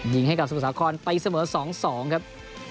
ยิงให้กับสมุทรสาครไปเสมอ๒๒ครับ